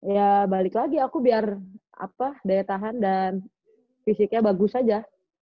ya balik lagi aku biar daya tahan dan fisiknya bagus saja